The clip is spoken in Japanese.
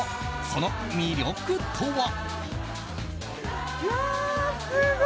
その魅力とは？